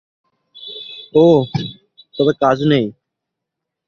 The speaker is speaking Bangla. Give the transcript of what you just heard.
ওঃ, তবে কাজ নেই।